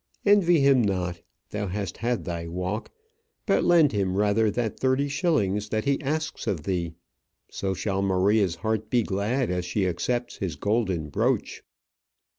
Envy him not; thou hast had thy walk; but lend him rather that thirty shillings that he asks of thee. So shall Maria's heart be glad as she accepts his golden brooch.